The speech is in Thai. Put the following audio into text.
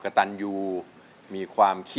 กระแซะเข้ามาสิ